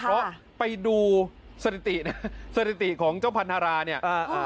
เพราะไปดูสถิตินะสถิติของเจ้าพันธาราเนี่ย